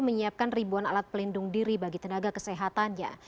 menyiapkan ribuan alat pelindung diri bagi tenaga kesehatannya